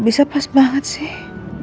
bisa pas banget sih